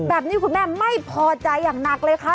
แบบนี้คุณแม่ไม่พอใจอย่างหนักเลยค่ะ